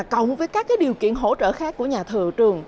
cộng với các điều kiện hỗ trợ khác của nhà thờ trường